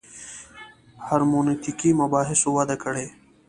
هرمنوتیکي مباحثو وده کړې.